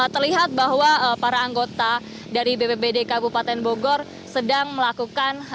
terlihat bahwa para anggota dari bpbd kabupaten bogor sedang melakukan